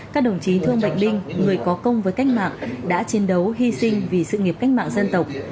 các đồng chí thương bệnh binh người có công với cách mạng đã chiến đấu hy sinh vì sự nghiệp cách mạng dân tộc